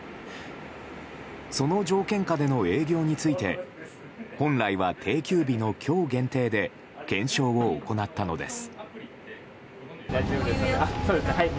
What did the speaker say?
その条件下での営業について本来は定休日の今日限定で検証を行ったのです。